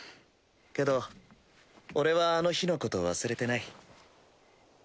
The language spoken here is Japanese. けど俺はあの日のこと忘れてない。